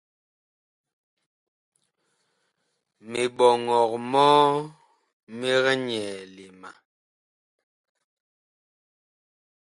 Miɓɔŋɔg mɔɔ mig nyɛɛle ma.